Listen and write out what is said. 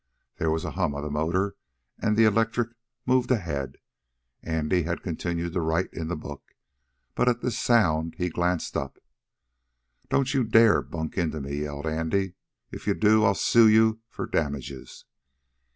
There was a hum of the motor, and the electric moved ahead. Andy had continued to write in the book, but at this sound he glanced up. "Don't you dare to bunk into me!" yelled Andy. "If you do I'll sue you for damages!"